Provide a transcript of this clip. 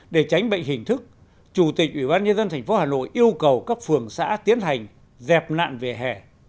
để tránh bệnh hình thức chủ tịch ubnd tp hà nội yêu cầu các phường xã tiến hành dẹp nạn về hè